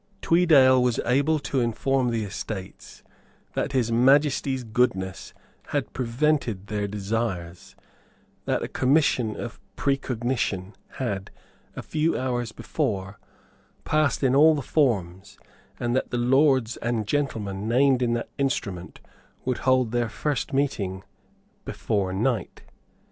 Tweedale was able to inform the Estates that His Majesty's goodness had prevented their desires, that a Commission of Precognition had, a few hours before, passed in all the forms, and that the lords and gentlemen named in that instrument would hold their first meeting before night.